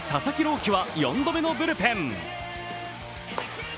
希は４度目のブルペン。